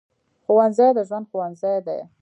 ښوونځی د ژوند ښوونځی دی